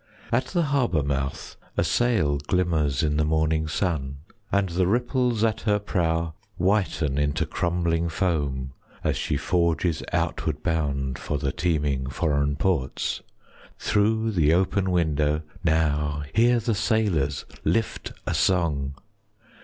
At the harbour mouth a sail 5 Glimmers in the morning sun, And the ripples at her prow Whiten into crumbling foam, As she forges outward bound For the teeming foreign ports. 10 Through the open window now, Hear the sailors lift a song!